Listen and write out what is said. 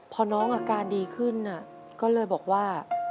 พอน้องอาการดีขึ้นก็เลยบอกว่า